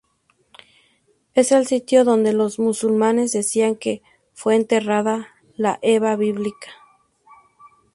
Es el sitio donde los musulmanes decían que fue enterrada la Eva bíblica.